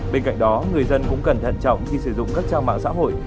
bên cạnh đó người dân cũng cần thận trọng khi sử dụng các trang mạng xã hội